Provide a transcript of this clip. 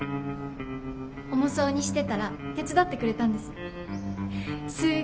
重そうにしてたら手伝ってくれたんです。